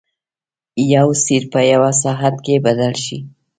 یو څیز په یوه ساعت کې بدل شي.